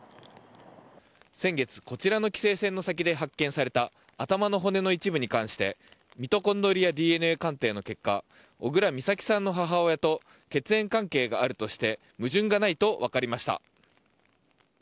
先月、こちらの規制線の先で発見された頭の骨の一部に関してミトコンドリアＤＮＡ鑑定の結果小倉美咲さんの母親と血縁関係があるとして矛盾がないと分かりました。